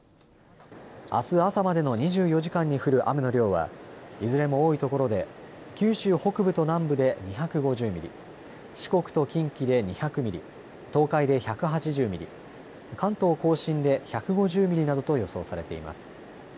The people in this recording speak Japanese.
あす朝までの２４時間に降る雨の量はいずれも多いところで九州北部と南部で２５０ミリ、四国と近畿で２００ミリ、東海で１８０ミリ、関東甲信で１５０ミリなどと予想されています。